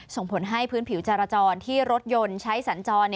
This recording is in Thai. ส่งผลให้พื้นผิวจรจรที่รถยนต์ใช้สัญจร